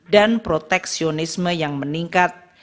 dan proteksionisme yang meningkat